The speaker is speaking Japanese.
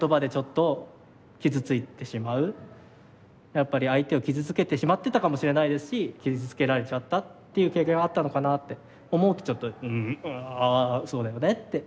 やっぱり相手を傷つけてしまってたかもしれないですし傷つけられちゃったっていう経験があったのかなって思うとちょっとああそうだよねって。